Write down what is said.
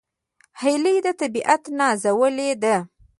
هیلۍ د طبیعت نازولې ده